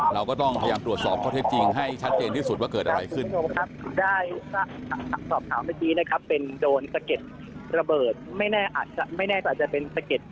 เราก็ต้องตรวจสอบเขาเทปจริงให้ชัดเห็นที่สุดว่าเกิดอะไรขึ้น